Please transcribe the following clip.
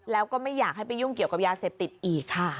แล้วก็ไม่อยากให้ไปยุ่งเกี่ยวกับยาเสพติดอีกค่ะ